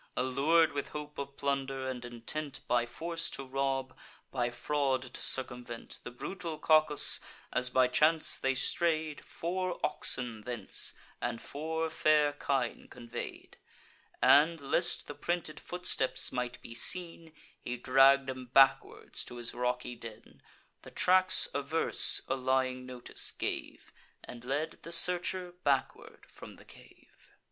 Allur'd with hope of plunder, and intent By force to rob, by fraud to circumvent, The brutal Cacus, as by chance they stray'd, Four oxen thence, and four fair kine convey'd; And, lest the printed footsteps might be seen, He dragg'd 'em backwards to his rocky den. The tracks averse a lying notice gave, And led the searcher backward from the cave.